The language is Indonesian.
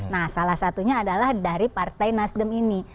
nah salah satunya adalah dari partai nasdem ini